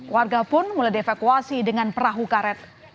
warga pun mulai dievakuasi dengan perahu karet